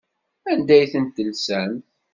Anda ay tent-telsamt?